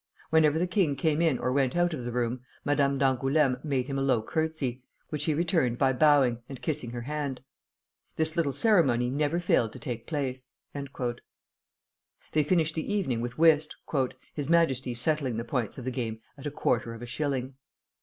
Whenever the king came in or went out of the room, Madame d'Angoulême made him a low courtesy, which he returned by bowing and kissing her hand. This little ceremony never failed to take place." They finished the evening with whist, "his Majesty settling the points of the game at a quarter of a shilling."